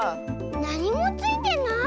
なにもついてない！